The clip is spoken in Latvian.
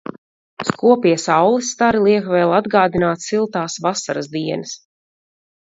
Skopie saules stari liek vēl atgādināt siltās vasaras dienas.